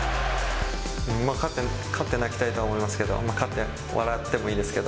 勝って泣きたいとは思いますけど、勝って笑ってもいいですけ